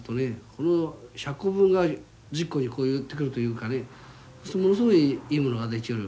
この１００個分が１０個に寄ってくるというかねものすごいいいものが出来る。